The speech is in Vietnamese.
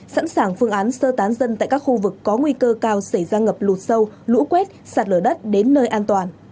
sẵn sàng phương án sơ tán dân tại các khu vực có nguy cơ cao xảy ra ngập lụt sâu lũ quét sạt lở đất đến nơi an toàn